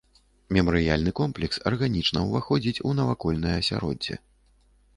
Мемарыяльны комплекс арганічна ўваходзіць у навакольнае асяроддзе.